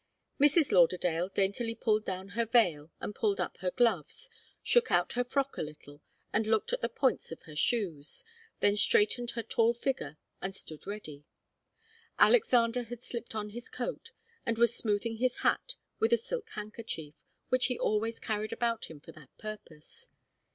Mrs. Lauderdale daintily pulled down her veil and pulled up her gloves, shook out her frock a little and looked at the points of her shoes, then straightened her tall figure and stood ready. Alexander had slipped on his coat, and was smoothing his hat with a silk handkerchief which he always carried about him for that purpose.